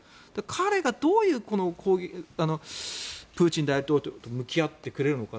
彼がどうプーチン大統領と向き合ってくれるのか。